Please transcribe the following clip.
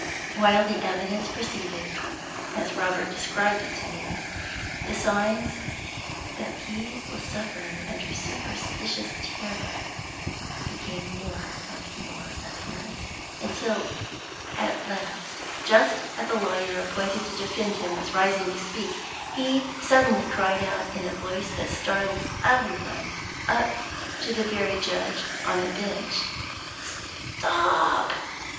While the evidence proceeded (as Robert described it to me), the signs that he was suffering under superstitious terror became more and more apparent; until, at last, just as the lawyer appointed to defend him was rising to speak, he suddenly cried out, in a voice that startled every one, up to the very judge on the bench: "Stop!"